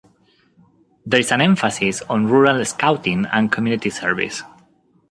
There is an emphasis on rural Scouting and community service.